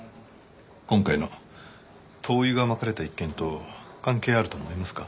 今回の灯油が撒かれた一件と関係あると思いますか？